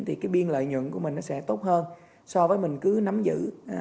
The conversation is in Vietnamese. thì cái biên lợi nhuận của mình nó sẽ tốt hơn so với mình cứ nắm giữ